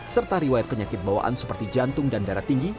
serta riwayat penyakit bawaan seperti jantung dan darah tinggi